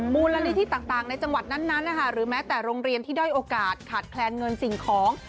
มูลนิธิต่างในจังหวัดนั้นนะคะหรือแม้แต่โรงเรียนที่ด้อยโอกาสขาดแคลนเงินสิ่งของ